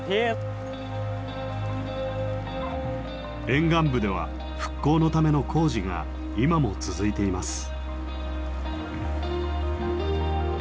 沿岸部では復興のための工事が今も続いています。